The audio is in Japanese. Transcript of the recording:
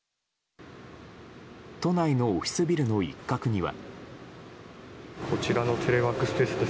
都内のオフィスビルの一角には。